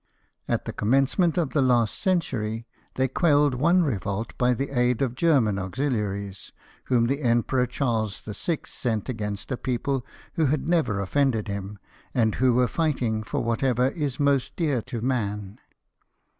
At the commencement of the last century they quelled one revolt by the aid of German auxiliaries, whom the Emperor Charles VI. sent against a people who had never offended him, and who were fighting for whatever is most dear to man.